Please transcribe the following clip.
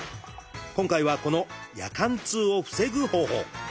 今回はこの夜間痛を防ぐ方法。